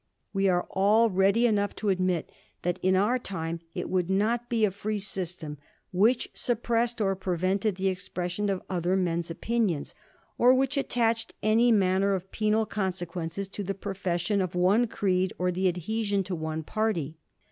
We are all ready enough to admit that in our time it would not be a free system which suppressed or prevented the expression of other men's opinions, or which attached any maimer of penal consequence to the profession of one creed or the adhesion to one party.